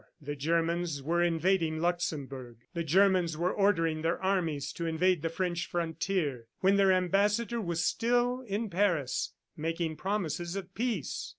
The Germans were invading Luxembourg; the Germans were ordering their armies to invade the French frontier when their ambassador was still in Paris making promises of peace.